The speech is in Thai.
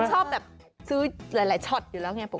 คุณชอบซื้อหลายช็อตอยู่แล้วไงผม